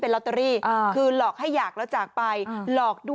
๓๐ล้านบาท